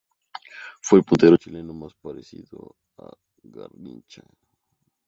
Fue el puntero chileno más parecido a Garrincha.